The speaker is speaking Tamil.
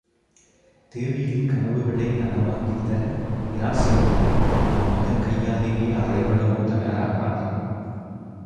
தேவியின் கனவுகளை நனவாக்கித் தர, இராசேந்திரர் தம் மகன் கையாலேயே அறைபடவும் தயாராகிறார்.